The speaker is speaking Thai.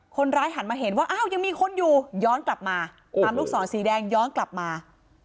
หันมาเห็นว่าอ้าวยังมีคนอยู่ย้อนกลับมาตามลูกศรสีแดงย้อนกลับมา